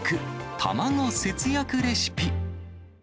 卵節約レシピ。